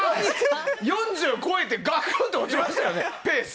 ４０超えてペースがガクンと落ちましたよね。